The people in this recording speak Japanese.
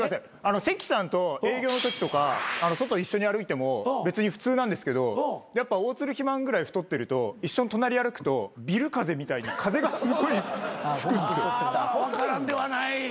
関さんと営業のときとか外一緒に歩いても別に普通なんですけどやっぱ大鶴肥満ぐらい太ってると一緒に隣歩くとビル風みたいに風がすごい吹くんですよ。分からんではない。